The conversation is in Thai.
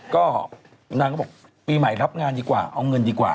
ก็นางก็บอกปีใหม่รับงานดีกว่าเอาเงินดีกว่า